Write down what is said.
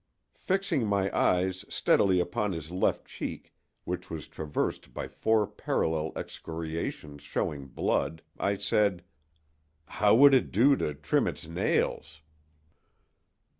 Fixing my eyes steadily upon his left cheek, which was traversed by four parallel excoriations showing blood, I said: "How would it do to trim its nails?"